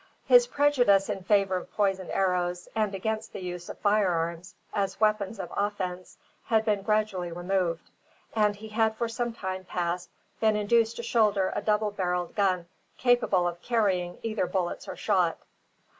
His prejudice in favour of poisoned arrows, and against the use of fire arms, as weapons of offence, had been gradually removed; and he had for some time past been induced to shoulder a double barrelled gun capable of carrying either bullets or shot.